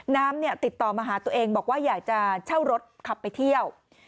ติดต่อมาหาตัวเองบอกว่าอยากจะเช่ารถขับไปเที่ยว